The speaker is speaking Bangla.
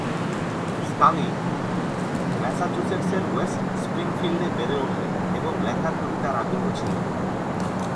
স্কালি ম্যাসাচুসেটসের ওয়েস্ট স্প্রিংফিল্ডে বেড়ে ওঠেন এবং লেখার প্রতি তার আগ্রহ ছিল।